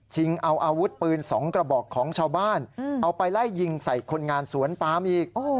เอาอาวุธปืน๒กระบอกของชาวบ้านเอาไปไล่ยิงใส่คนงานสวนปามอีก